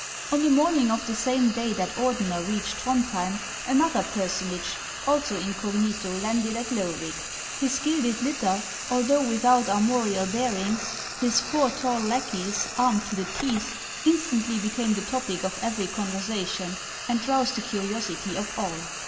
On the morning of the same day that Ordener reached Throndhjem, another personage, also incognito, landed at Loevig. His gilded litter, although without armorial bearings, his four tall lackeys, armed to the teeth, instantly became the topic of every conversation, and roused the curiosity of all.